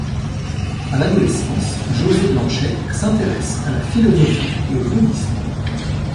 À l'adolescence, Josée Blanchette s'intéresse à la philosophie et au bouddhisme.